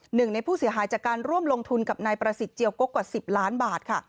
หนึ่งในผู้เสียหายจากการร่วมลงทุนกับนายประสิทธิเจียวกกกว่า๑๐ล้านบาทค่ะ